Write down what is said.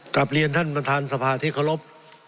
กลับเรียนท่านประธานสภาที่เคารพ